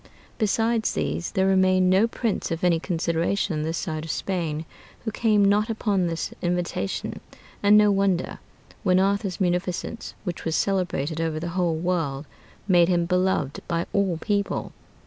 Besides these, there remained no prince of any consideration on this side of Spain, who came not upon this invitation. And no wonder, when Arthur's munificence, which was celebrated over the whole world, made him beloved by all people.